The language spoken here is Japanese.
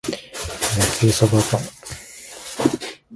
焼きそばパン